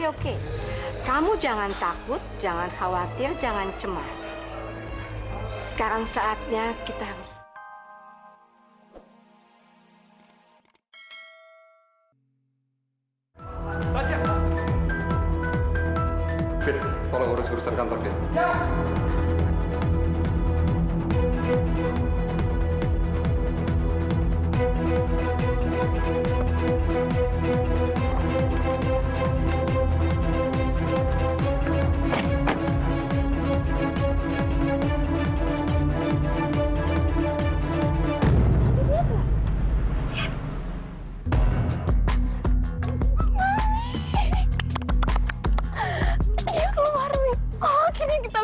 oh kini kita berhasil wik